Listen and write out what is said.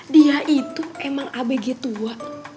dia itu emang abg tua